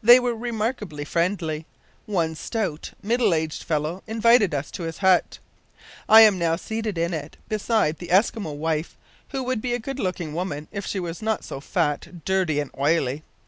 They were remarkably friendly. One stout, middle aged fellow invited us to his hut. I am now seated in it beside the Eskimo's wife, who would be a good looking woman if she were not so fat, dirty, and oily!